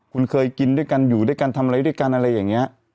คุณเคยกินด้วยกันอยู่ด้วยกันทำอะไรด้วยกันอะไรอย่างนี้